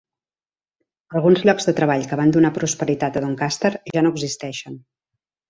Alguns llocs de treball que van donar prosperitat a Doncaster ja no existeixen.